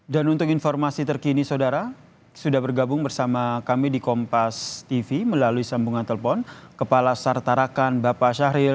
dan untuk informasi terkini sodara sudah bergabung bersama kami di kompas tv melalui sambungan telepon kepala sartarakan bapak syahril